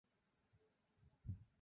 এখানে কীভাবে আসলে?